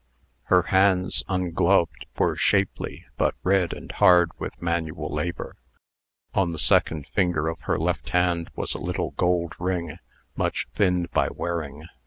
Her hands, ungloved, were shapely, but red and hard with manual labor. On the second finger of the left hand was a little gold ring, much thinned by wearing.